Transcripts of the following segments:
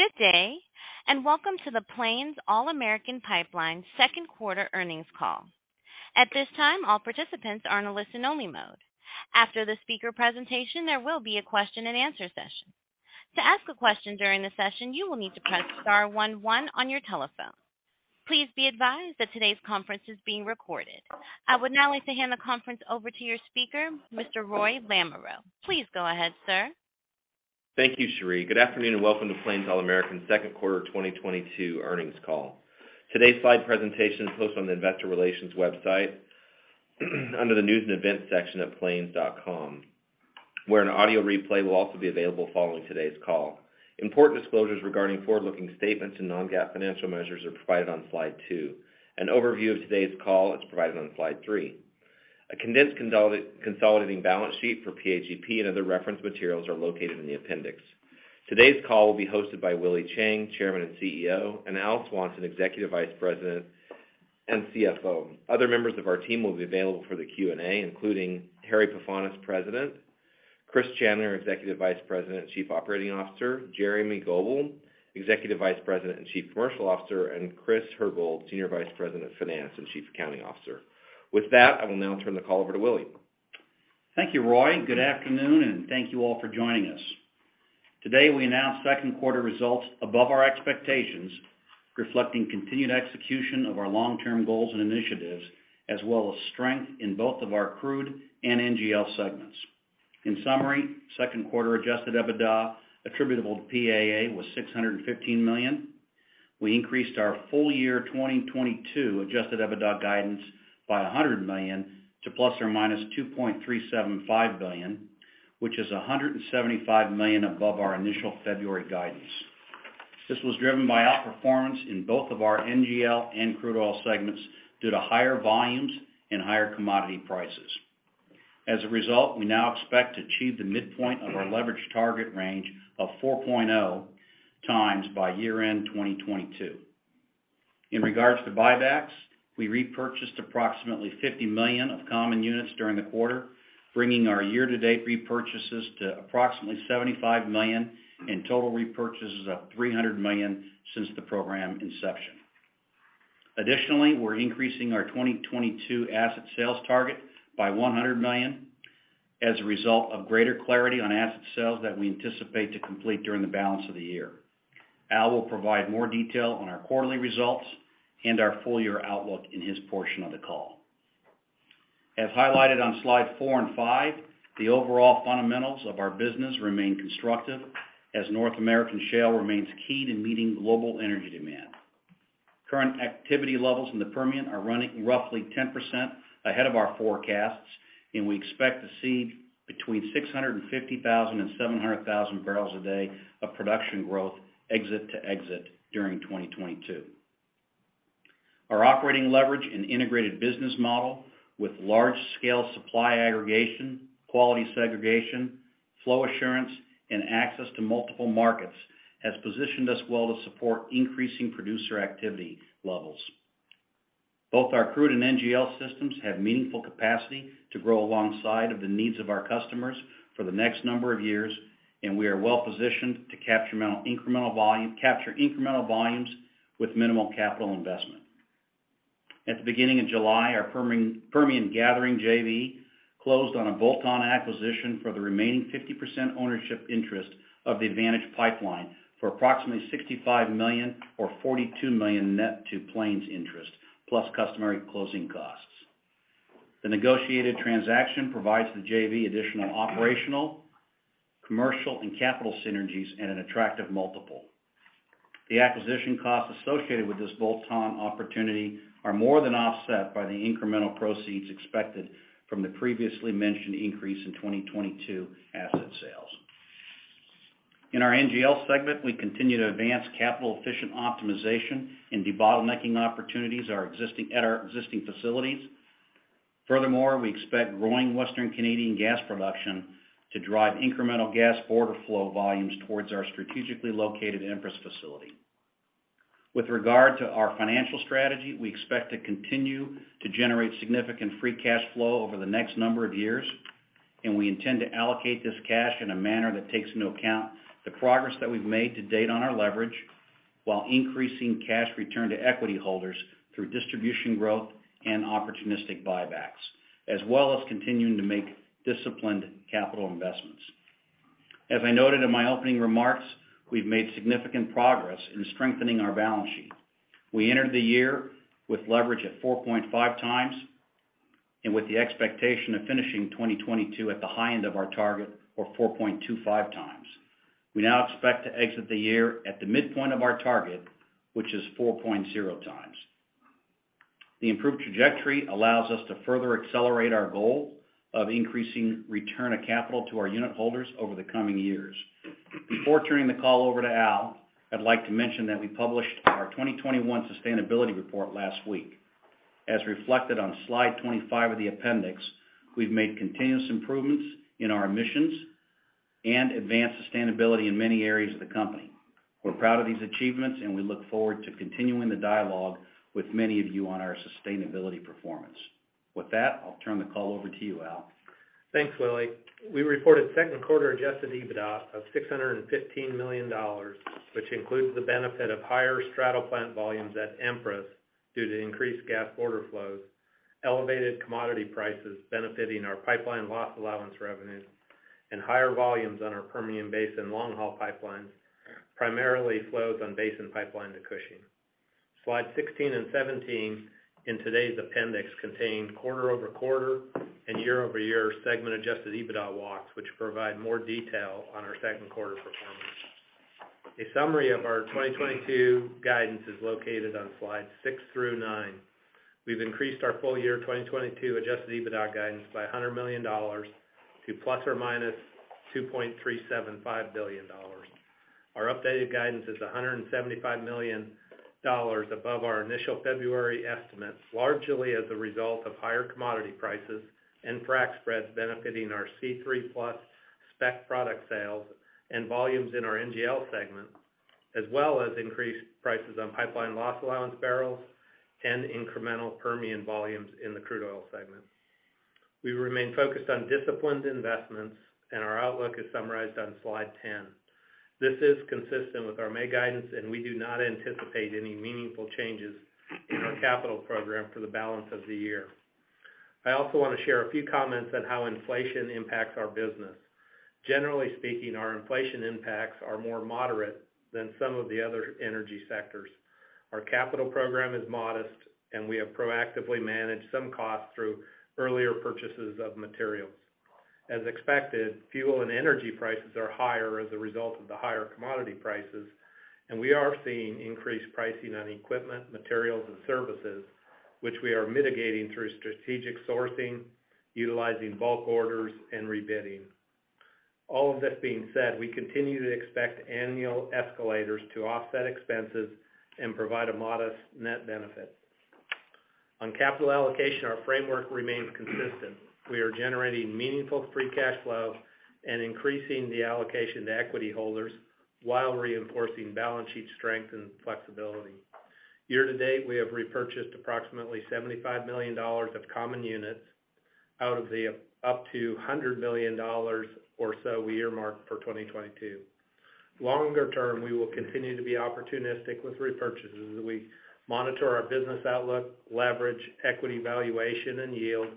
Good day, and welcome to the Plains All American Pipeline second quarter earnings call. At this time, all participants are in a listen only mode. After the speaker presentation, there will be a question and answer session. To ask a question during the session, you will need to press star one one on your telephone. Please be advised that today's conference is being recorded. I would now like to hand the conference over to your speaker, Mr. Roy Lamoreaux. Please go ahead, sir. Thank you, Sheri. Good afternoon, and welcome to Plains All American second quarter 2022 earnings call. Today's slide presentation is hosted on the investor relations website under the News and Events section at plains.com, where an audio replay will also be available following today's call. Important disclosures regarding forward-looking statements and non-GAAP financial measures are provided on slide 2. An overview of today's call is provided on slide 3. A condensed consolidating balance sheet for PAGP and other reference materials are located in the appendix. Today's call will be hosted by Willie Chiang, Chairman and CEO, and Al Swanson, Executive Vice President and CFO. Other members of our team will be available for the Q&A, including Harry Pefanis, President, Chris Chandler, Executive Vice President and Chief Operating Officer, Jeremy Goebel, Executive Vice President and Chief Commercial Officer, and Chris Herbold, Senior Vice President of Finance and Chief Accounting Officer. With that, I will now turn the call over to Willie. Thank you, Roy. Good afternoon, and thank you all for joining us. Today, we announced second quarter results above our expectations, reflecting continued execution of our long-term goals and initiatives, as well as strength in both of our crude and NGL segments. In summary, second quarter Adjusted EBITDA attributable to PAA was $615 million. We increased our full year 2022 Adjusted EBITDA guidance by $100 million to ±$2.375 billion, which is $175 million above our initial February guidance. This was driven by outperformance in both of our NGL and crude oil segments due to higher volumes and higher commodity prices. As a result, we now expect to achieve the midpoint of our leverage target range of 4.0x by year-end 2022. In regards to buybacks, we repurchased approximately $50 million of common units during the quarter, bringing our year-to-date repurchases to approximately $75 million and total repurchases of $300 million since the program inception. Additionally, we're increasing our 2022 asset sales target by $100 million as a result of greater clarity on asset sales that we anticipate to complete during the balance of the year. Al will provide more detail on our quarterly results and our full year outlook in his portion of the call. As highlighted on slide 4 and 5, the overall fundamentals of our business remain constructive as North American shale remains key to meeting global energy demand. Current activity levels in the Permian are running roughly 10% ahead of our forecasts, and we expect to see between 650,000 and 700,000 barrels a day of production growth exit to exit during 2022. Our operating leverage and integrated business model with large scale supply aggregation, quality segregation, flow assurance, and access to multiple markets has positioned us well to support increasing producer activity levels. Both our crude and NGL systems have meaningful capacity to grow alongside of the needs of our customers for the next number of years, and we are well-positioned to capture incremental volumes with minimal capital investment. At the beginning of July, our Permian gathering JV closed on a bolt-on acquisition for the remaining 50% ownership interest of the Advantage Pipeline for approximately $65 million or $42 million net to Plains interest, plus customary closing costs. The negotiated transaction provides the JV additional operational, commercial, and capital synergies at an attractive multiple. The acquisition costs associated with this bolt-on opportunity are more than offset by the incremental proceeds expected from the previously mentioned increase in 2022 asset sales. In our NGL segment, we continue to advance capital efficient optimization and debottlenecking opportunities at our existing facilities. Furthermore, we expect growing Western Canadian gas production to drive incremental gas border flow volumes towards our strategically located Empress facility. With regard to our financial strategy, we expect to continue to generate significant free cash flow over the next number of years, and we intend to allocate this cash in a manner that takes into account the progress that we've made to date on our leverage while increasing cash return to equity holders through distribution growth and opportunistic buybacks, as well as continuing to make disciplined capital investments. As I noted in my opening remarks, we've made significant progress in strengthening our balance sheet. We entered the year with leverage at 4.5 times and with the expectation of finishing 2022 at the high end of our target or 4.25 times. We now expect to exit the year at the midpoint of our target, which is 4.0 times. The improved trajectory allows us to further accelerate our goal of increasing return of capital to our unitholders over the coming years. Before turning the call over to Al, I'd like to mention that we published our 2021 sustainability report last week. As reflected on slide 25 of the appendix, we've made continuous improvements in our emissions and advanced sustainability in many areas of the company. We're proud of these achievements, and we look forward to continuing the dialogue with many of you on our sustainability performance. With that, I'll turn the call over to you, Al. Thanks, Willie. We reported second quarter Adjusted EBITDA of $615 million, which includes the benefit of higher straddle plant volumes at Empress due to increased gas border flows, elevated commodity prices benefiting our pipeline loss allowance revenue, and higher volumes on our Permian Basin long-haul pipelines, primarily flows on Basin pipeline to Cushing. Slide 16 and 17 in today's appendix contain quarter-over-quarter and year-over-year segment Adjusted EBITDA walks, which provide more detail on our second quarter performance. A summary of our 2022 guidance is located on slide 6 through 9. We've increased our full year 2022 Adjusted EBITDA guidance by $100 million to ±$2.375 billion. Our updated guidance is $175 million above our initial February estimates, largely as a result of higher commodity prices and frac spreads benefiting our C3+ spec product sales and volumes in our NGL segment, as well as increased prices on pipeline loss allowance barrels and incremental Permian volumes in the crude oil segment. We remain focused on disciplined investments, and our outlook is summarized on slide 10. This is consistent with our May guidance, and we do not anticipate any meaningful changes in our capital program for the balance of the year. I also wanna share a few comments on how inflation impacts our business. Generally speaking, our inflation impacts are more moderate than some of the other energy sectors. Our capital program is modest, and we have proactively managed some costs through earlier purchases of materials. As expected, fuel and energy prices are higher as a result of the higher commodity prices, and we are seeing increased pricing on equipment, materials and services, which we are mitigating through strategic sourcing, utilizing bulk orders and rebidding. All of this being said, we continue to expect annual escalators to offset expenses and provide a modest net benefit. On capital allocation, our framework remains consistent. We are generating meaningful free cash flow and increasing the allocation to equity holders while reinforcing balance sheet strength and flexibility. Year-to-date, we have repurchased approximately $75 million of common units out of the up to $100 million or so we earmarked for 2022. Longer term, we will continue to be opportunistic with repurchases as we monitor our business outlook, leverage equity valuation and yield,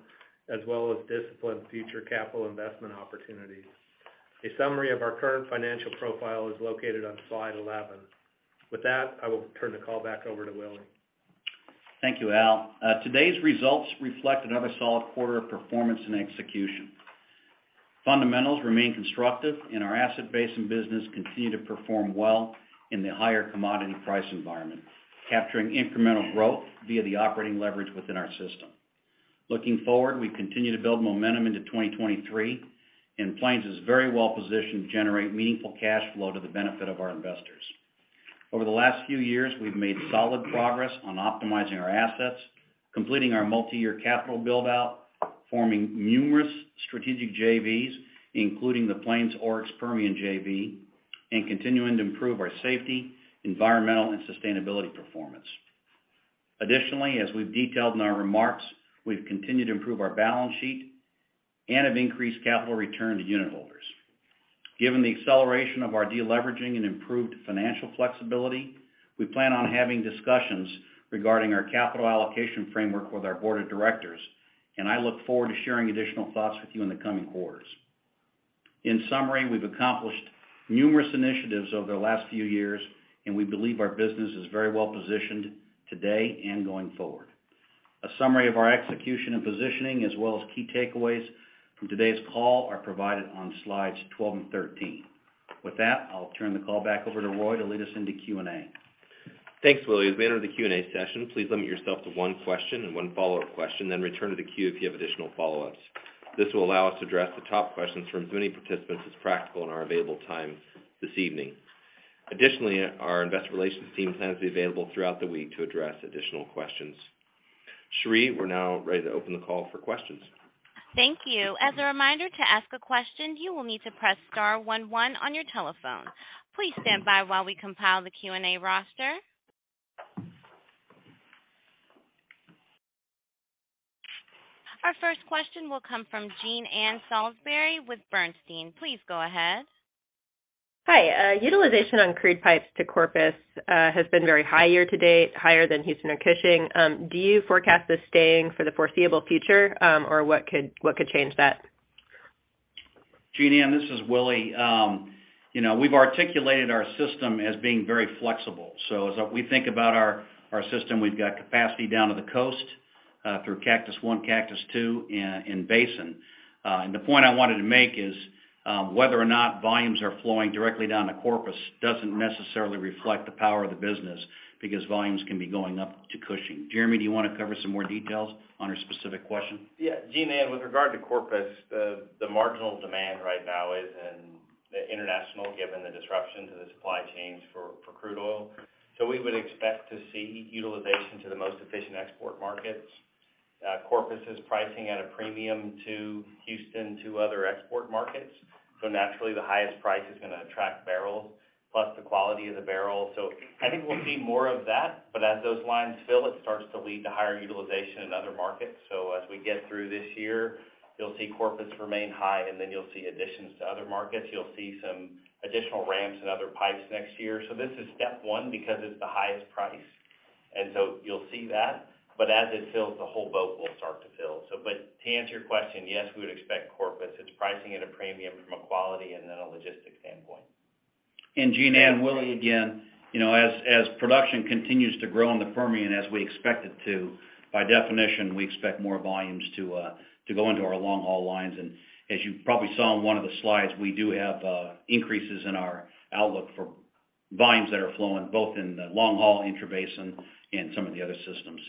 as well as discipline future capital investment opportunities. A summary of our current financial profile is located on slide 11. With that, I will turn the call back over to Willie. Thank you, Al. Today's results reflect another solid quarter of performance and execution. Fundamentals remain constructive, and our asset base and business continue to perform well in the higher commodity price environment, capturing incremental growth via the operating leverage within our system. Looking forward, we continue to build momentum into 2023, and Plains is very well positioned to generate meaningful cash flow to the benefit of our investors. Over the last few years, we've made solid progress on optimizing our assets, completing our multi-year capital build-out, forming numerous strategic JVs, including the Plains Oryx Permian JV, and continuing to improve our safety, environmental and sustainability performance. Additionally, as we've detailed in our remarks, we've continued to improve our balance sheet and have increased capital return to unit holders. Given the acceleration of our de-leveraging and improved financial flexibility, we plan on having discussions regarding our capital allocation framework with our board of directors, and I look forward to sharing additional thoughts with you in the coming quarters. In summary, we've accomplished numerous initiatives over the last few years, and we believe our business is very well-positioned today and going forward. A summary of our execution and positioning, as well as key takeaways from today's call, are provided on slides 12 and 13. With that, I'll turn the call back over to Roy to lead us into Q&A. Thanks, Willie. As we enter the Q&A session, please limit yourself to one question and one follow-up question, then return to the queue if you have additional follow-ups. This will allow us to address the top questions from as many participants as practical in our available time this evening. Additionally, our investor relations team stands to be available throughout the week to address additional questions. Sheri, we're now ready to open the call for questions. Thank you. As a reminder, to ask a question, you will need to press star one one on your telephone. Please stand by while we compile the Q&A roster. Our first question will come from Jean Ann Salisbury with Bernstein. Please go ahead. Hi. Utilization on crude pipes to Corpus has been very high year-to-date, higher than Houston or Cushing. Do you forecast this staying for the foreseeable future? What could change that? Jean Ann, this is Willie. You know, we've articulated our system as being very flexible. As we think about our system, we've got capacity down to the coast through Cactus I, Cactus II, and Basin. The point I wanted to make is whether or not volumes are flowing directly down to Corpus doesn't necessarily reflect the power of the business because volumes can be going up to Cushing. Jeremy, do you wanna cover some more details on her specific question? Yeah. Jean Ann Salisbury, with regard to Corpus, the marginal demand right now is in international, given the disruption to the supply chains for crude oil. We would expect to see utilization to the most efficient export markets. Corpus is priced- Pricing at a premium to Houston to other export markets. Naturally, the highest price is gonna attract barrels plus the quality of the barrel. I think we'll see more of that. As those lines fill, it starts to lead to higher utilization in other markets. As we get through this year, you'll see Corpus remain high, and then you'll see additions to other markets. You'll see some additional ramps and other pipes next year. This is step one because it's the highest price. You'll see that. As it fills, the whole boat will start to fill. To answer your question, yes, we would expect Corpus. It's pricing at a premium from a quality and then a logistics standpoint. Jean Ann Willy again, you know, as production continues to grow in the Permian, as we expect it to, by definition, we expect more volumes to go into our long-haul lines. As you probably saw in one of the slides, we do have increases in our outlook for volumes that are flowing both in the long-haul intrabasin and some of the other systems.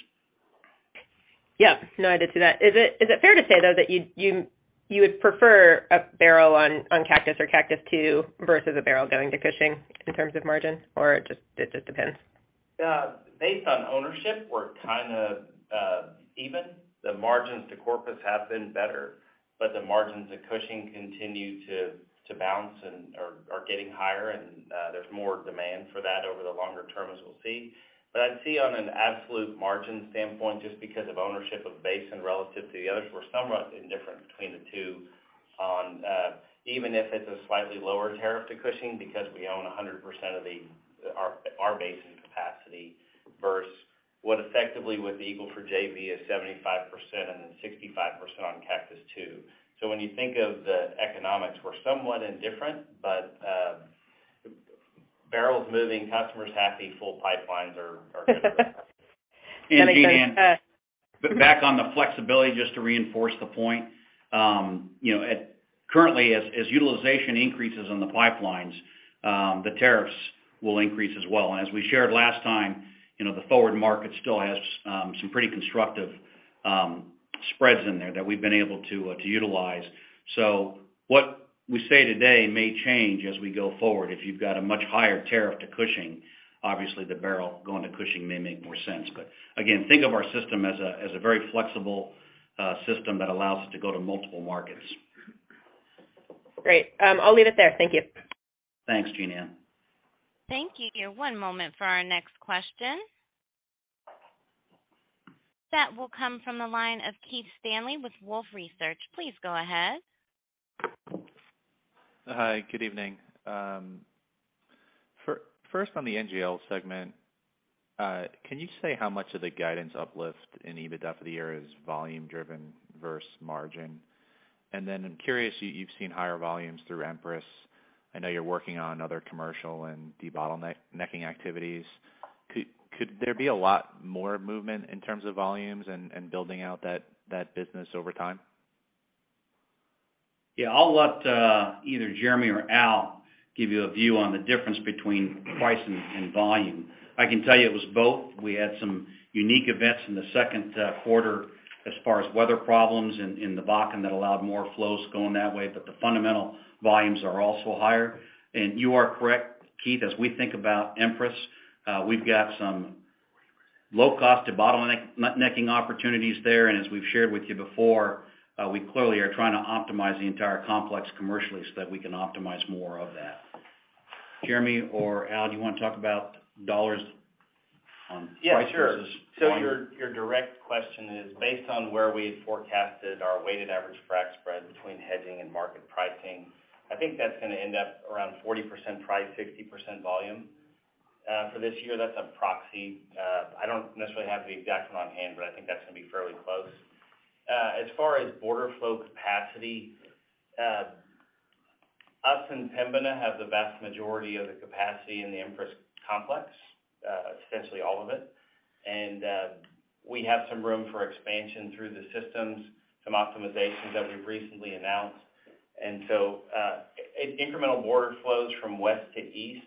Yeah. No, I did see that. Is it fair to say, though, that you would prefer a barrel on Cactus or Cactus II versus a barrel going to Cushing in terms of margins, or it just depends? Based on ownership, we're kind of even. The margins to Corpus have been better, but the margins at Cushing continue to bounce and are getting higher, and there's more demand for that over the longer term, as we'll see. I'd see on an absolute margin standpoint, just because of ownership of the basin relative to the others, we're somewhat indifferent between the two on even if it's a slightly lower tariff to Cushing because we own 100% of our basin capacity versus what effectively with Eagle Ford JV is 75% and then 65% on Cactus II. So when you think of the economics we're somewhat indifferent, but barrels moving, customers happy, full pipelines are good. Jean Ann, back on the flexibility, just to reinforce the point, you know, currently as utilization increases on the pipelines, the tariffs will increase as well. As we shared last time, you know, the forward market still has some pretty constructive spreads in there that we've been able to to utilize. What we say today may change as we go forward. If you've got a much higher tariff to Cushing, obviously the barrel going to Cushing may make more sense. Again, think of our system as a very flexible system that allows us to go to multiple markets. Great. I'll leave it there. Thank you. Thanks, Jean Ann. Thank you. One moment for our next question. That will come from the line of Keith Stanley with Wolfe Research. Please go ahead. Hi, good evening. First on the NGL segment, can you say how much of the guidance uplift in EBITDA for the year is volume driven versus margin? Then I'm curious, you've seen higher volumes through Empress. I know you're working on other commercial and debottlenecking activities. Could there be a lot more movement in terms of volumes and building out that business over time? Yeah. I'll let either Jeremy or Al give you a view on the difference between price and volume. I can tell you it was both. We had some unique events in the second quarter as far as weather problems in the Bakken that allowed more flows going that way, but the fundamental volumes are also higher. You are correct, Keith. As we think about Empress, we've got some low cost debottlenecking opportunities there. As we've shared with you before, we clearly are trying to optimize the entire complex commercially so that we can optimize more of that. Jeremy or Al, do you want to talk about dollars on prices? Yeah, sure. Your direct question is based on where we forecasted our weighted average frac spread between hedging and market pricing. I think that's gonna end up around 40% price, 60% volume, for this year. That's a proxy. I don't necessarily have the exact one on hand, but I think that's gonna be fairly close. As far as border flow capacity, us and Pembina have the vast majority of the capacity in the Empress complex, essentially all of it. We have some room for expansion through the systems, some optimizations that we've recently announced. Incremental border flows from west to east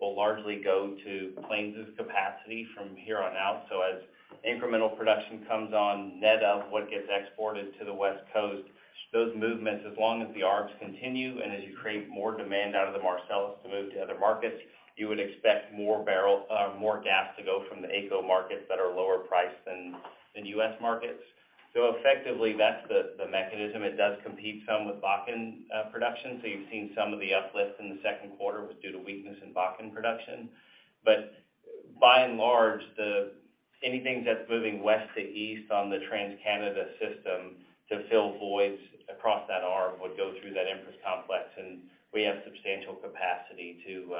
will largely go to Plains' capacity from here on out. As incremental production comes on net of what gets exported to the West Coast, those movements, as long as the ARPs continue and as you create more demand out of the Marcellus to move to other markets, you would expect more gas to go from the AECO markets that are lower priced than US markets. Effectively, that's the mechanism. It does compete some with Bakken production. You've seen some of the uplift in the second quarter was due to weakness in Bakken production. By and large, anything that's moving west to east on the TransCanada system to fill voids across that arm would go through that Empress complex, and we have substantial capacity to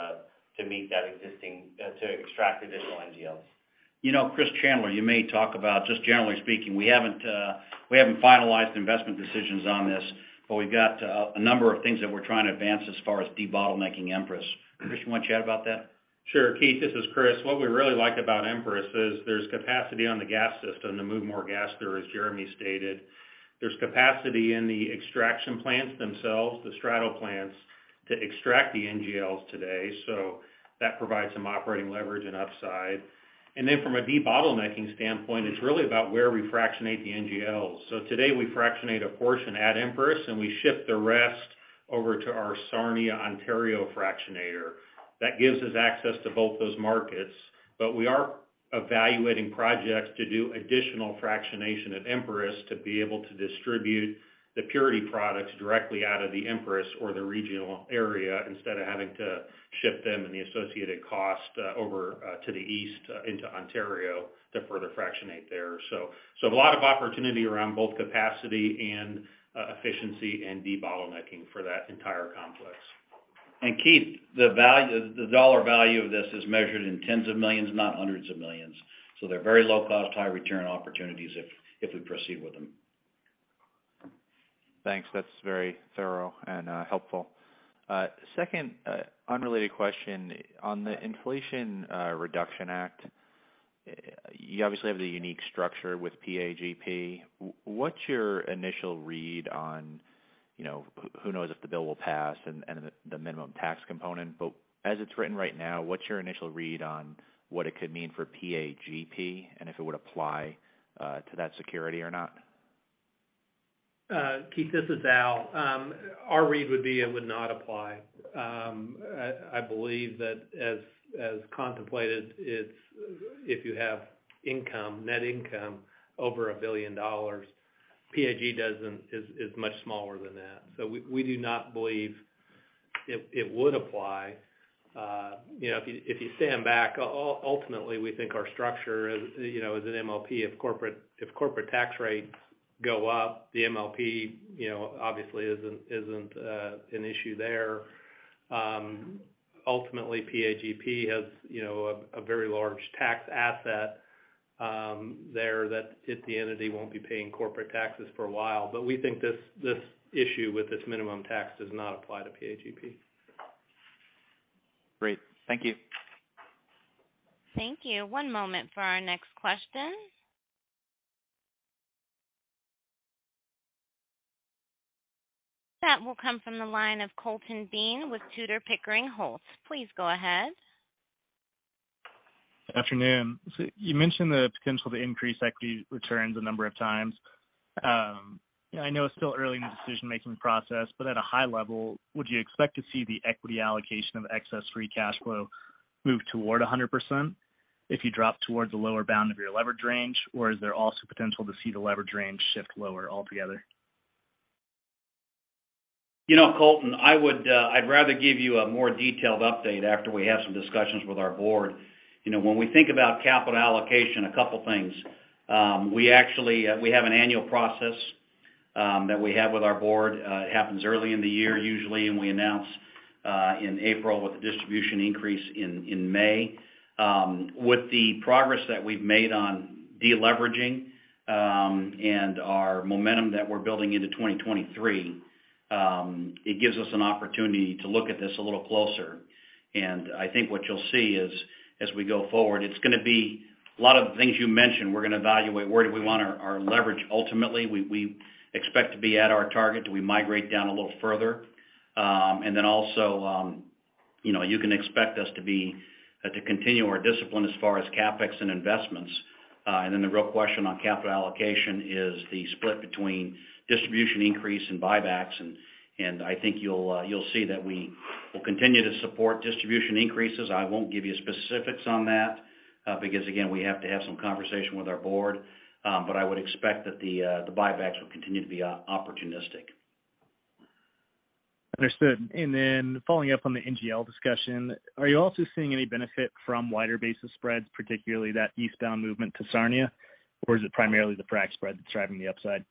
extract additional NGLs. You know, Chris Chandler, you may talk about just generally speaking, we haven't finalized investment decisions on this, but we've got a number of things that we're trying to advance as far as debottlenecking Empress. Chris, you want to chat about that? Sure. Keith, this is Chris. What we really like about Empress is there's capacity on the gas system to move more gas there, as Jeremy stated. There's capacity in the extraction plants themselves, the straddle plants, to extract the NGLs today, so that provides some operating leverage and upside. From a debottlenecking standpoint, it's really about where we fractionate the NGLs. Today we fractionate a portion at Empress, and we ship the rest. Over to our Sarnia, Ontario fractionator. That gives us access to both those markets, but we are evaluating projects to do additional fractionation at Empress to be able to distribute the purity products directly out of the Empress or the regional area instead of having to ship them and the associated cost over to the east into Ontario to further fractionate there. A lot of opportunity around both capacity and efficiency and debottlenecking for that entire complex. Keith, the dollar value of this is measured in tens of millions, not hundreds of millions. They're very low cost, high return opportunities if we proceed with them. Thanks. That's very thorough and helpful. Second, unrelated question. On the Inflation Reduction Act, you obviously have the unique structure with PAGP. What's your initial read on, you know, who knows if the bill will pass and the minimum tax component, but as it's written right now, what's your initial read on what it could mean for PAGP and if it would apply to that security or not? Keith, this is Al. Our read would be it would not apply. I believe that as contemplated, it's if you have income, net income over $1 billion, PAGP is much smaller than that. We do not believe it would apply. You know, if you stand back, ultimately, we think our structure, you know, as an MLP, if corporate tax rates go up, the MLP, you know, obviously isn't an issue there. Ultimately, PAGP has a very large tax asset there that if the entity won't be paying corporate taxes for a while. We think this issue with this minimum tax does not apply to PAGP. Great. Thank you. Thank you. One moment for our next question. That will come from the line of Colton Bean with Tudor, Pickering, Holt & Co. Please go ahead. Afternoon. You mentioned the potential to increase equity returns a number of times. I know it's still early in the decision-making process, but at a high level, would you expect to see the equity allocation of excess free cash flow move toward 100% if you drop towards the lower bound of your leverage range? Or is there also potential to see the leverage range shift lower altogether? You know, Colton, I'd rather give you a more detailed update after we have some discussions with our board. You know, when we think about capital allocation, a couple things. We actually have an annual process that we have with our board. It happens early in the year usually, and we announce in April with the distribution increase in May. With the progress that we've made on deleveraging, and our momentum that we're building into 2023, it gives us an opportunity to look at this a little closer. I think what you'll see is, as we go forward, it's gonna be a lot of the things you mentioned. We're gonna evaluate where we want our leverage. Ultimately, we expect to be at our target. Do we migrate down a little further? Also, you know, you can expect us to continue our discipline as far as CapEx and investments. The real question on capital allocation is the split between distribution increase and buybacks. I think you'll see that we will continue to support distribution increases. I won't give you specifics on that, because again, we have to have some conversation with our board. I would expect that the buybacks will continue to be opportunistic. Understood. Following up on the NGL discussion, are you also seeing any benefit from wider basis spreads, particularly that eastbound movement to Sarnia? Or is it primarily the frac spread that's driving the upside?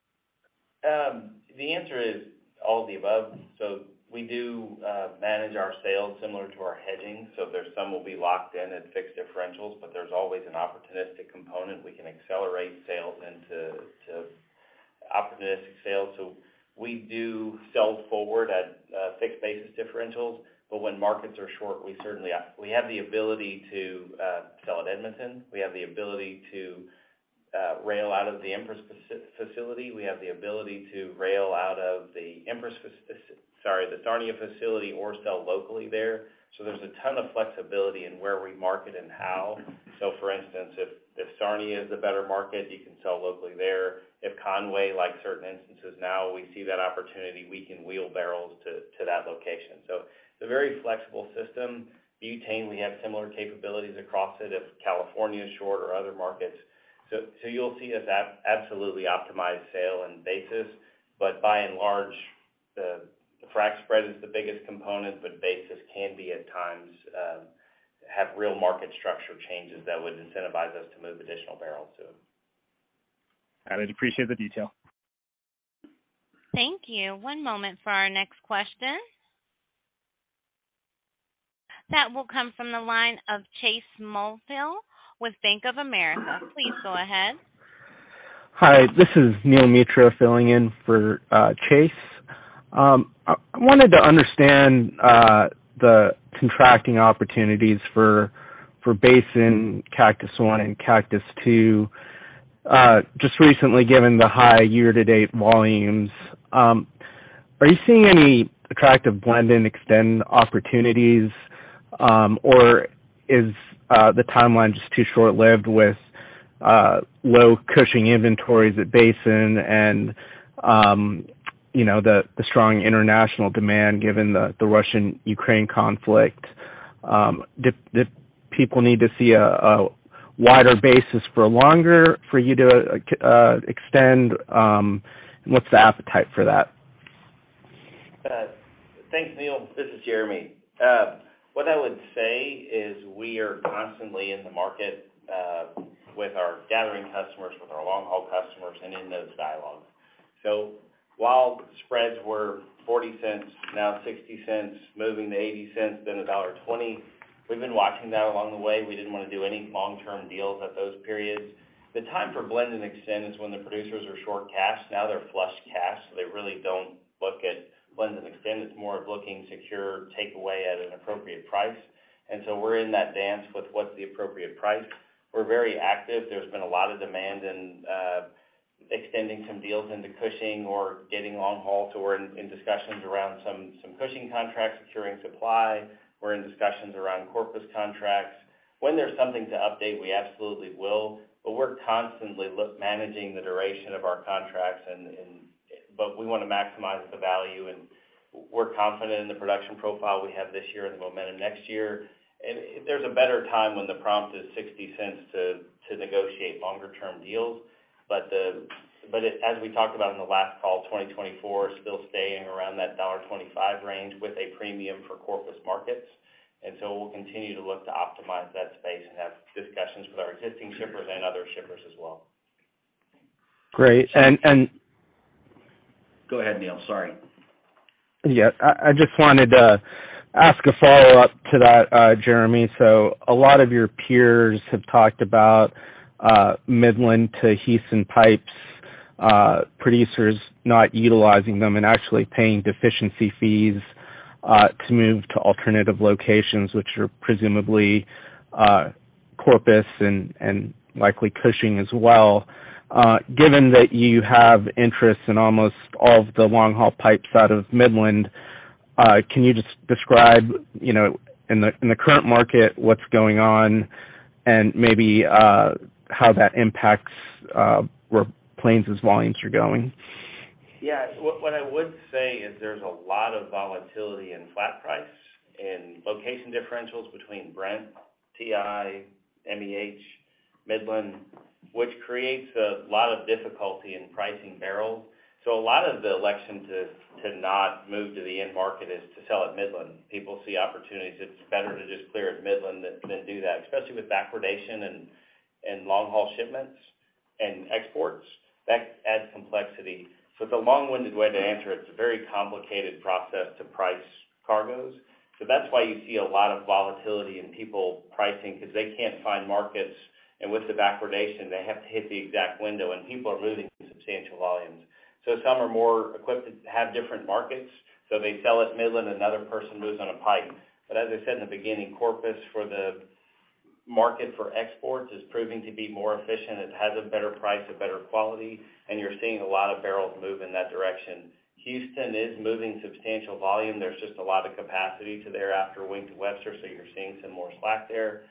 The answer is all of the above. We do manage our sales similar to our hedging. There's some will be locked in at fixed differentials, but there's always an opportunistic component. We can accelerate sales into opportunistic sales. We do sell forward at fixed basis differentials. When markets are short, we certainly have the ability to sell at Edmonton. We have the ability to rail out of the Empress facility. We have the ability to rail out of the Empress. Sorry, the Sarnia facility or sell locally there. There's a ton of flexibility in where we market and how. For instance, if Sarnia is a better market, you can sell locally there. If Conway, like certain instances now, we see that opportunity, we can wheel barrels to that location. It's a very flexible system. Butane, we have similar capabilities across it if California is short or other markets. You'll see us absolutely optimize sale and basis. By and large, the frac spread is the biggest component, but basis can be at times have real market structure changes that would incentivize us to move additional barrels too. Got it. Appreciate the detail. Thank you. One moment for our next question. That will come from the line of Chase Mulvehill with Bank of America. Please go ahead. Hi, this is Neel Mitra filling in for Chase. I wanted to understand the contracting opportunities for Basin, Cactus I and Cactus II just recently given the high year-to-date volumes. Are you seeing any attractive blend and extend opportunities? Or is the timeline just too short-lived with low Cushing inventories at basin and you know the strong international demand given the Russian-Ukraine conflict that people need to see a wider basis for longer for you to extend? What's the appetite for that? Thanks, Neal. This is Jeremy. What I would say is we are constantly in the market with our gathering customers, with our long-haul customers and in those dialogues. While spreads were $0.40, now $0.60, moving to $0.80, then $1.20, we've been watching that along the way. We didn't wanna do any long-term deals at those periods. The time for blend-and-extend is when the producers are short cash. Now they're flush with cash, so they really don't look at blend and extend. It's more of looking to secure takeaway at an appropriate price. We're in that dance with what's the appropriate price. We're very active. There's been a lot of demand in extending some deals into Cushing or getting long haul, so we're in discussions around some Cushing contracts, securing supply. We're in discussions around Corpus contracts. When there's something to update, we absolutely will. We're constantly managing the duration of our contracts but we wanna maximize the value, and we're confident in the production profile we have this year and the momentum next year. There's a better time when the prompt is $0.60 to negotiate longer-term deals. As we talked about in the last call, 2024 is still staying around that $1.25 range with a premium for Corpus markets. We'll continue to look to optimize that space and have discussions with our existing shippers and other shippers as well. Great. Go ahead, Neal. Sorry. I just wanted to ask a follow-up to that, Jeremy. A lot of your peers have talked about Midland to Houston pipes, producers not utilizing them and actually paying deficiency fees to move to alternative locations, which are presumably Corpus and likely Cushing as well. Given that you have interest in almost all of the long-haul pipes out of Midland, can you just describe, you know, in the current market, what's going on and maybe how that impacts where Plains' volumes are going? Yeah. What I would say is there's a lot of volatility in flat price and location differentials between Brent, WTI, MEH, Midland, which creates a lot of difficulty in pricing barrels. A lot of the inclination to not move to the end market is to sell at Midland. People see opportunities. It's better to just clear at Midland than do that, especially with backwardation and long-haul shipments and exports. That adds complexity. It's a long-winded way to answer. It's a very complicated process to price cargoes. That's why you see a lot of volatility in people pricing because they can't find markets. With the backwardation, they have to hit the exact window, and people are losing substantial volumes. Some are more equipped to have different markets, so they sell at Midland, another person moves on a pipe. As I said in the beginning, Corpus for the market for exports is proving to be more efficient. It has a better price, a better quality, and you're seeing a lot of barrels move in that direction. Houston is moving substantial volume. There's just a lot of capacity there after it went to Webster, so you're seeing some more slack there.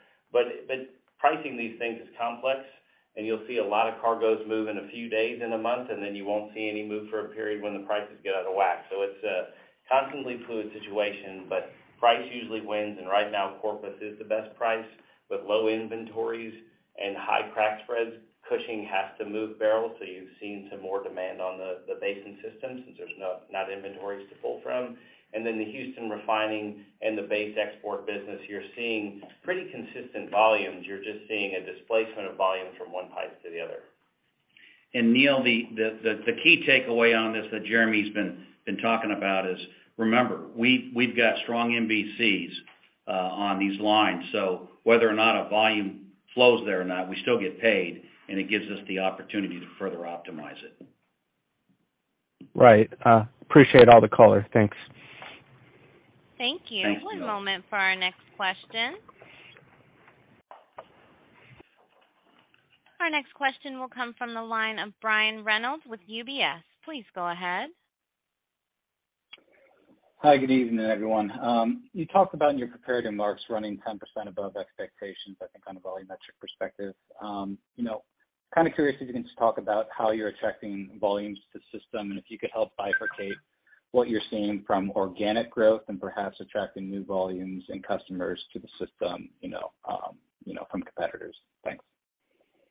Pricing these things is complex, and you'll see a lot of cargoes move in a few days in a month, and then you won't see any move for a period when the prices get out of whack. It's a constantly fluid situation, but price usually wins. Right now, Corpus is the best price with low inventories and high crack spreads. Cushing has to move barrels, so you've seen some more demand on the Basin system since there's not inventories to pull from. The Houston refining and the Basin export business, you're seeing pretty consistent volumes. You're just seeing a displacement of volume from one pipe to the other. Neal, the key takeaway on this that Jeremy's been talking about is, remember, we've got strong MVCs on these lines. So whether or not a volume flows there or not, we still get paid, and it gives us the opportunity to further optimize it. Right. Appreciate all the color. Thanks. Thank you. Thanks, Neal. One moment for our next question. Our next question will come from the line of Brian Reynolds with UBS. Please go ahead. Hi, good evening, everyone. You talked about in your prepared remarks running 10% above expectations, I think, on a volumetric perspective. You know, kind of curious if you can just talk about how you're attracting volumes to the system and if you could help bifurcate what you're seeing from organic growth and perhaps attracting new volumes and customers to the system, you know, from competitors. Thanks.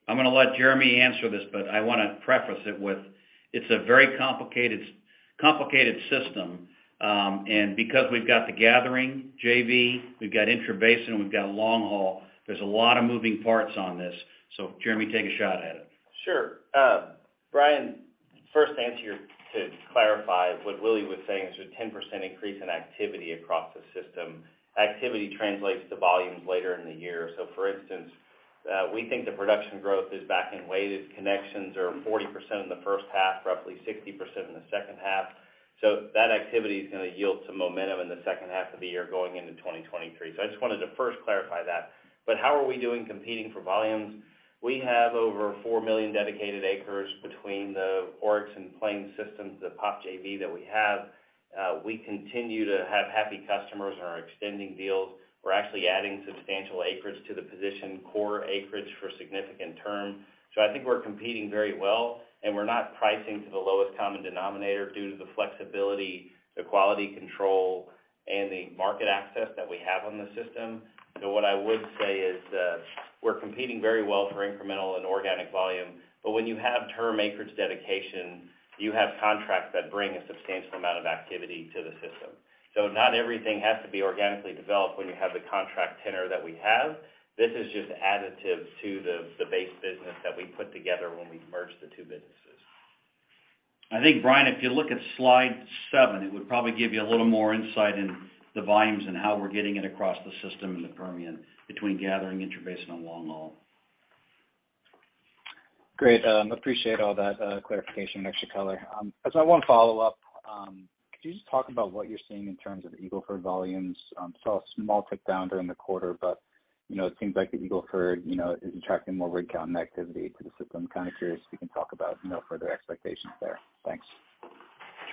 I'm gonna let Jeremy answer this, but I wanna preface it with, it's a very complicated system, and because we've got the gathering JV, we've got intrabasin, we've got long haul, there's a lot of moving parts on this. Jeremy, take a shot at it. Sure. Brian, first answer to clarify what Willie was saying is a 10% increase in activity across the system. Activity translates to volumes later in the year. For instance, we think the production growth is back-end weighted. Connections are 40% in the first half, roughly 60% in the second half. That activity is gonna yield some momentum in the second half of the year going into 2023. I just wanted to first clarify that. How are we doing competing for volumes? We have over 4 million dedicated acres between the Oryx and Plains systems, the POP JV that we have. We continue to have happy customers and are extending deals. We're actually adding substantial acreage to the position, core acreage for significant term. I think we're competing very well, and we're not pricing to the lowest common denominator due to the flexibility, the quality control, and the market access that we have on the system. What I would say is that we're competing very well for incremental and organic volume. When you have term acreage dedication, you have contracts that bring a substantial amount of activity to the system. Not everything has to be organically developed when you have the contract tenor that we have. This is just additive to the base business that we put together when we merged the two businesses. I think, Brian, if you look at slide 7, it would probably give you a little more insight into the volumes and how we're getting it across the system in the Permian between gathering, intrabasin and long-haul. Great. Appreciate all that clarification and extra color. As I want to follow up, could you just talk about what you're seeing in terms of Eagle Ford volumes? Saw a small tick down during the quarter, but, you know, it seems like the Eagle Ford, you know, is attracting more rig count and activity to the system. Kind of curious if you can talk about, you know, further expectations there.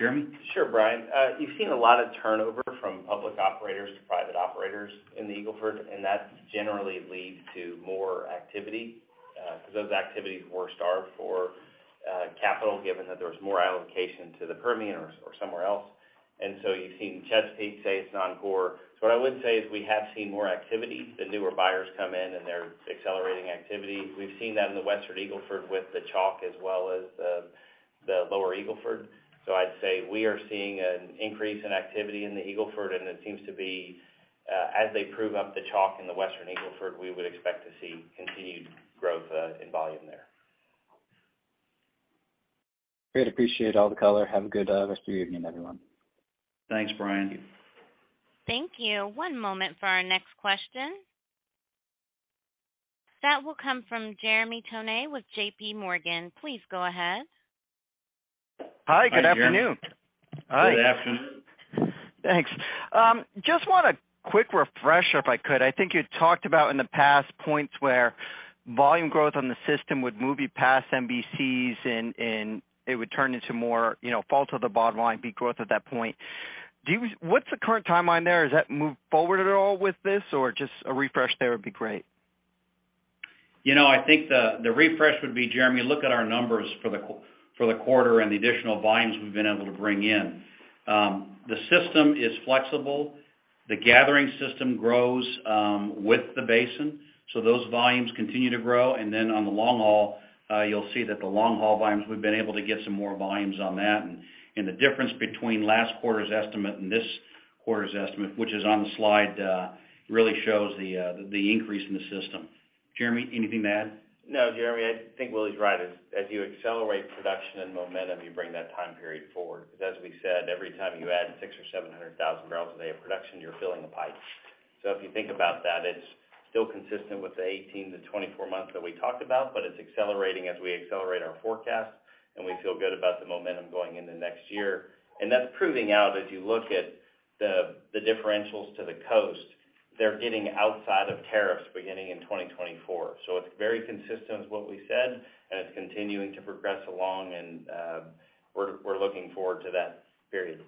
Thanks. Jeremy? Sure, Brian. You've seen a lot of turnover from public operators to private operators in the Eagle Ford, and that generally leads to more activity, because those activities were starved for capital, given that there was more allocation to the Permian or somewhere else. You've seen Chesapeake, say, it's non-core. What I would say is we have seen more activity. The newer buyers come in, and they're accelerating activity. We've seen that in the Western Eagle Ford with the Chalk as well as the lower Eagle Ford. I'd say we are seeing an increase in activity in the Eagle Ford, and it seems to be, as they prove up the Chalk in the Western Eagle Ford, we would expect to see continued growth, in volume there. Great. Appreciate all the color. Have a good rest of your evening, everyone. Thanks, Brian. Thank you. One moment for our next question. That will come from Jeremy Tonet with J.P. Morgan. Please go ahead. Hi. Good afternoon. Hi, Jeremy. Good afternoon. Thanks. Just want a quick refresher, if I could. I think you talked about in the past points where volume growth on the system would move you past MVCs and it would turn into more, you know, fall to the bottom line, be growth at that point. What's the current timeline there? Has that moved forward at all with this? Or just a refresh there would be great. You know, I think the refresh would be, Jeremy, look at our numbers for the quarter and the additional volumes we've been able to bring in. The system is flexible. The gathering system grows with the basin, so those volumes continue to grow. Then on the long-haul, you'll see that the long-haul volumes, we've been able to get some more volumes on that. The difference between last quarter's estimate and this quarter's estimate, which is on the slide, really shows the increase in the system. Jeremy, anything to add? No, Jeremy, I think Willie's right. As you accelerate production and momentum, you bring that time period forward because as we said, every time you add 600,000 or 700,000 barrels a day of production, you're filling the pipe. If you think about that, it's still consistent with the 18-24 months that we talked about, but it's accelerating as we accelerate our forecast, and we feel good about the momentum going into next year. That's proving out as you look at the differentials to the coast. They're getting outside of tariffs beginning in 2024. It's very consistent with what we said, and it's continuing to progress along, and we're looking forward to that period.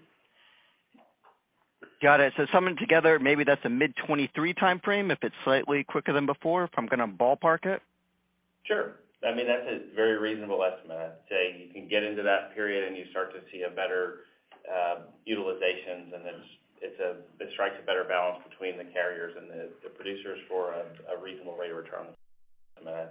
Got it. Summing together, maybe that's a mid-2023 timeframe if it's slightly quicker than before, if I'm gonna ballpark it? Sure. I mean, that's a very reasonable estimate. I'd say you can get into that period, and you start to see a better utilizations and it strikes a better balance between the carriers and the producers for a reasonable rate of return on the price.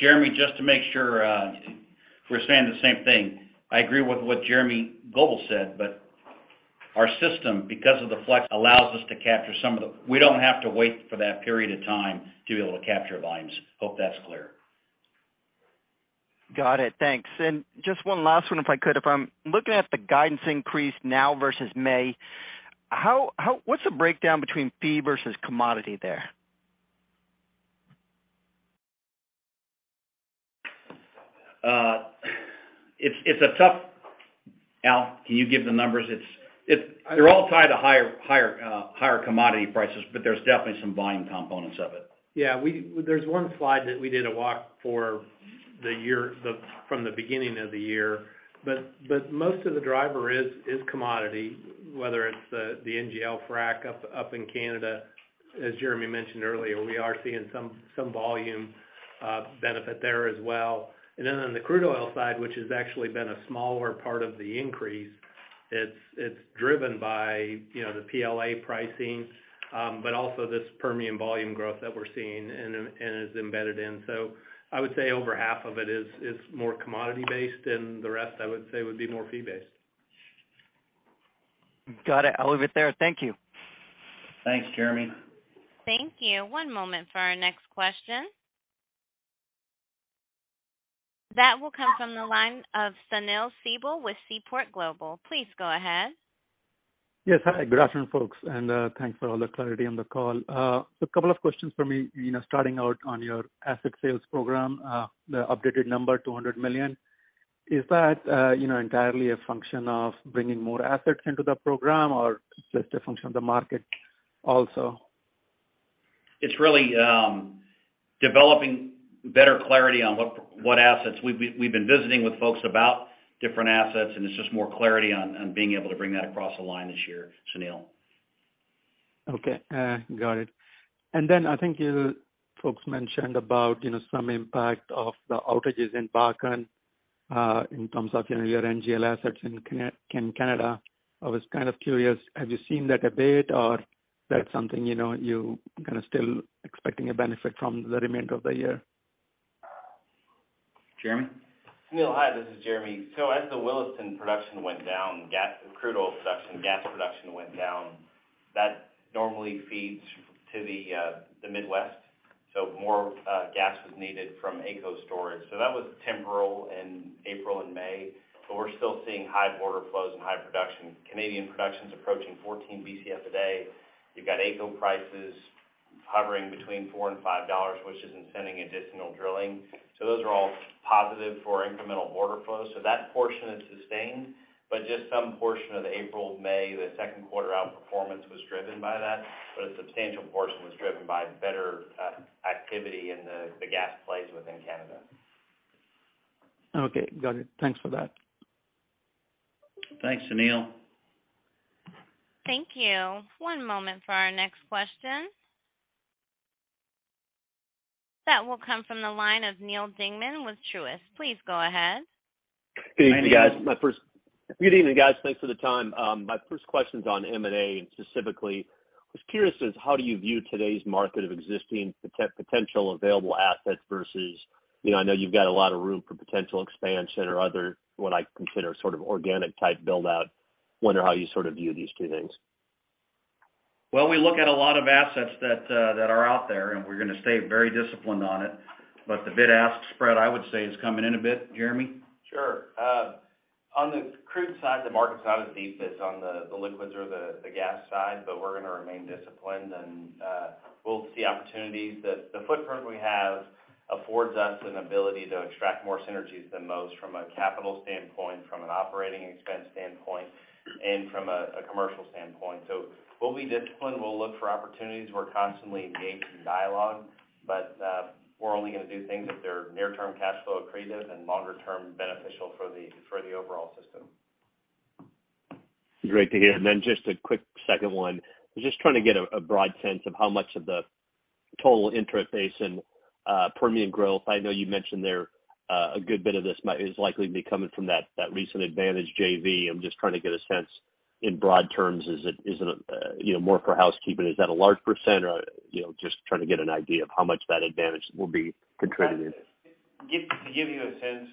Jeremy, just to make sure, we're saying the same thing. I agree with what Jeremy Goebel said, but our system, because of the flex, allows us to capture. We don't have to wait for that period of time to be able to capture volumes. Hope that's clear. Got it. Thanks. Just one last one, if I could. If I'm looking at the guidance increase now versus May, how, what's the breakdown between fee versus commodity there? Al, can you give the numbers? They're all tied to higher commodity prices, but there's definitely some volume components of it. Yeah. There's one slide that we did a walk for the year from the beginning of the year. But most of the driver is commodity, whether it's the NGL frac up in Canada. As Jeremy mentioned earlier, we are seeing some volume benefit there as well. On the crude oil side, which has actually been a smaller part of the increase, it's driven by, you know, the PLA pricing, but also this Permian volume growth that we're seeing and is embedded in. I would say over half of it is more commodity-based, and the rest I would say would be more fee-based. Got it. I'll leave it there. Thank you. Thanks, Jeremy. Thank you. One moment for our next question. That will come from the line of Sunil Sibal with Seaport Global. Please go ahead. Yes. Hi, good afternoon, folks, and thanks for all the clarity on the call. A couple of questions for me. You know, starting out on your asset sales program, the updated number, $200 million. Is that, you know, entirely a function of bringing more assets into the program or just a function of the market also? It's really developing better clarity on what assets. We've been visiting with folks about different assets, and it's just more clarity on being able to bring that across the line this year, Sunil. Okay, got it. I think you folks mentioned about, you know, some impact of the outages in Bakken, in terms of, you know, your NGL assets in Canada. I was kind of curious, have you seen that abate or that's something, you know, you kind of still expecting a benefit from the remainder of the year? Jeremy? Sunil, hi. This is Jeremy. As the Williston production went down, crude oil production, gas production went down. That normally feeds to the Midwest. More gas was needed from AECO storage. That was temporary in April and May, but we're still seeing high border flows and high production. Canadian production's approaching 14 Bcf a day. You've got AECO prices hovering between 4 and 5 dollars, which is incenting additional drilling. Those are all positive for incremental border flows. That portion is sustained, but just some portion of the April, May, the second quarter outperformance was driven by that, but a substantial portion was driven by better activity in the gas plays within Canada. Okay, got it. Thanks for that. Thanks, Sunil. Thank you. One moment for our next question. That will come from the line of Neal Dingmann with Truist. Please go ahead. Neil. Good evening, guys. Thanks for the time. My first question's on M&A, and specifically, I was curious as how do you view today's market of existing potential available assets versus, you know, I know you've got a lot of room for potential expansion or other, what I consider sort of organic type build out. Wonder how you sort of view these two things. Well, we look at a lot of assets that are out there, and we're gonna stay very disciplined on it. The bid-ask spread, I would say, is coming in a bit. Jeremy? Sure. On the crude side, the market side is deepest on the liquids or the gas side, but we're gonna remain disciplined and we'll see opportunities. The footprint we have affords us an ability to extract more synergies than most from a capital standpoint, from an operating expense standpoint, and from a commercial standpoint. We'll be disciplined. We'll look for opportunities. We're constantly engaged in dialogue, but we're only gonna do things if they're near-term cash flow accretive and longer-term beneficial for the overall system. Great to hear. Just a quick second one. I was just trying to get a broad sense of how much of the total Delaware Basin Permian growth. I know you mentioned there a good bit of this is likely to be coming from that recent Advantage JV. I'm just trying to get a sense in broad terms, is it you know, more for housekeeping, is that a large percent or you know, just trying to get an idea of how much that Advantage will be contributing. To give you a sense,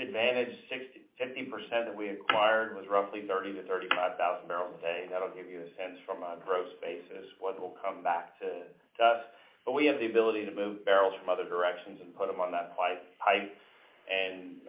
Advantage 50% that we acquired was roughly 30,000-35,000 barrels a day. That'll give you a sense from a gross basis what will come back to us. We have the ability to move barrels from other directions and put them on that pipe and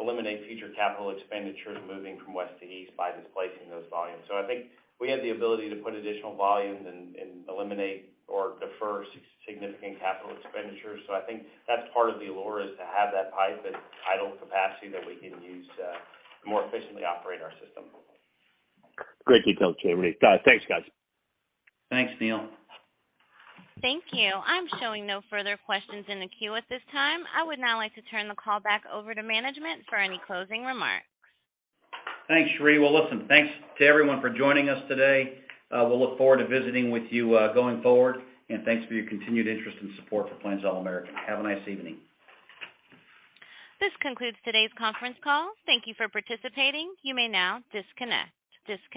eliminate future capital expenditures moving from west to east by displacing those volumes. I think we have the ability to put additional volumes and eliminate or defer significant capital expenditures. I think that's part of the allure is to have that pipe and idle capacity that we can use to more efficiently operate our system. Great detail, Jeremy. Thanks, guys. Thanks, Neal. Thank you. I'm showing no further questions in the queue at this time. I would now like to turn the call back over to management for any closing remarks. Thanks, Sheree. Well, listen, thanks to everyone for joining us today. We'll look forward to visiting with you, going forward. Thanks for your continued interest and support for Plains All American. Have a nice evening. This concludes today's conference call. Thank you for participating. You may now disconnect. Disconnect.